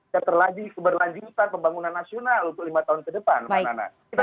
yang terlagi keberlanjutan pembangunan nasional untuk lima tahun ke depan mbak nana